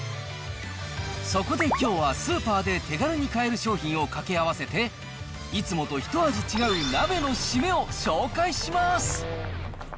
そこできょうは、スーパーで手軽に買える商品を掛け合わせて、いつもと一味違う鍋のシメを紹介します。